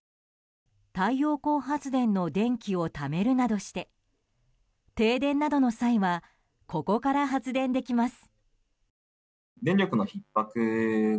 太陽光発電の電気をためるなどして停電などの際はここから発電できます。